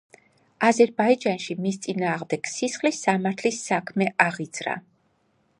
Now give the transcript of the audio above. აზერბაიჯანში მის წინააღმდეგ სისხლის სამართლის საქმე აღიძრა.